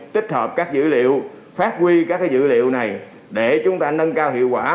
tích hợp các dữ liệu phát huy các dữ liệu này để chúng ta nâng cao hiệu quả